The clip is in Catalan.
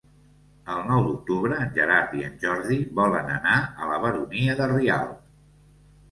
El nou d'octubre en Gerard i en Jordi volen anar a la Baronia de Rialb.